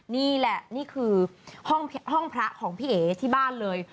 นี่แหละนี่คือห้องพระของพี่เอ๋ที่บ้านเลย